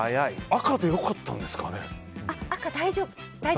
赤で良かったんですかね。